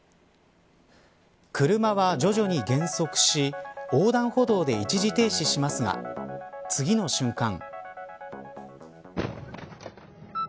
車は徐々に減速し横断歩道で一時停止しますが次の瞬間。